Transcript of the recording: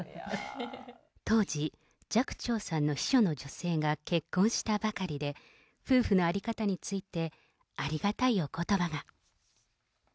当時、寂聴さんの秘書の女性が結婚したばかりで、夫婦の在り方についてありがたいおことばが。